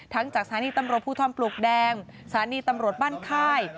จากสถานีตำรวจภูทรปลวกแดงสถานีตำรวจบ้านค่าย